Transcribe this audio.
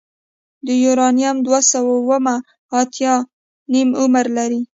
د یورانیم دوه سوه اوومه اتیا نیم عمر لري.